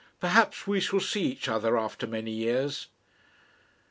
"Perhaps we shall see each other after many years."